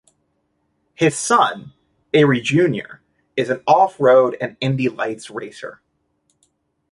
His son, Arie Junior is an off-road and Indy Lights racer.